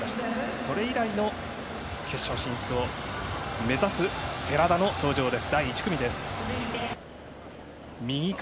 それ以来の決勝進出を目指す寺田の登場です。